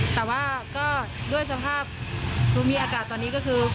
แต่ว่าก็ด้วยสภาพภูมิอากาศตอนนี้ก็คือ